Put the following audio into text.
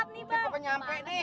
gimana kok ke nyampe nih